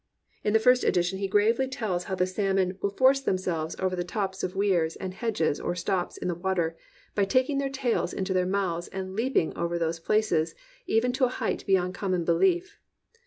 In the first edition he gravely tells how the salm 302 A QUAINT COMRADE on "will force themselves over the tops of weirs and hedges or stops in the water, hy taking their tails into their mouths and leaping over those places, even to a height beyond common belief."